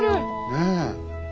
ねえ。